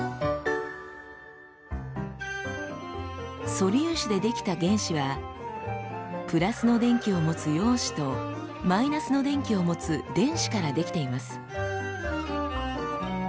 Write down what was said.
素粒子で出来た原子はプラスの電気を持つ陽子とマイナスの電気を持つ電子から出来ています。